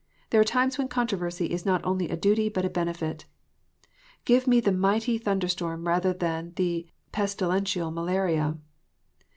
There are times when controversy is not only a duty but a benefit. Give me the mighty thunder storm rather than the pestilential malaria.